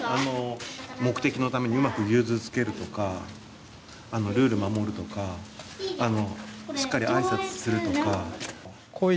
目的のためにうまく融通つけるとかルールを守るとかしっかりあいさつするとか。